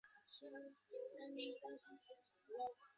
十二段场景如下张华的诗歌的摘录放在每个场景的前部分。